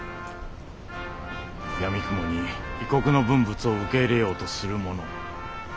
やみくもに異国の文物を受け入れようとする者。